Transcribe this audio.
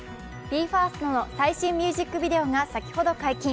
ＢＥ：ＦＩＲＳＴの最新ミュージックビデオが先ほど解禁。